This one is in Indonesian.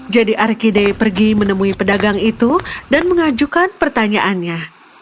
jadi arkide pergi menemui pedagang itu dan mengajukan pertanyaannya